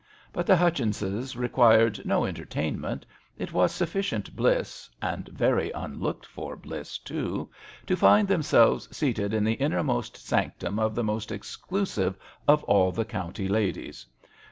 But the Hut chinses required no entertain ^ MISS AWDREY AT HOME. I87 ment ; it was sufficient bliss — and very unlooked for bliss, too — ^to find themselves seated in the innermost sanctum of the most exclusive of all the county ladies.